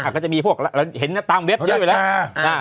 ก็จะมีพวกเราเห็นตามเว็บเยอะไปแล้ว